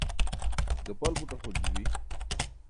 gapal buṭ axolji bi